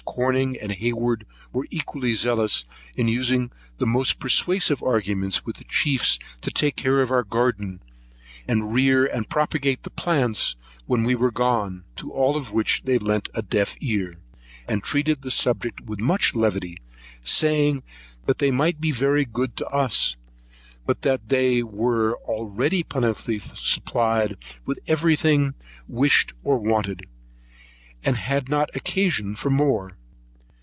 Corner and Hayward were equally zealous in using the most persuasive arguments with the chiefs to take care of our garden, and rear and propagate the plants when we were gone; to all which they lent a deaf ear, and treated the subject with much levity, saying, they might be very good to us, but that they were already plentifully supplied with every thing they wished or wanted, and had not occasion for more.